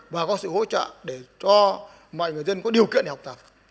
và có sự hỗ trợ để cho mọi người dân có điều kiện để học tập